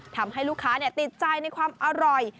ทำให้ลูกค้าติดใจในความอร่อย